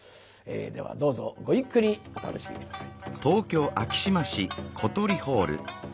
ではどうぞごゆっくりお楽しみ下さい。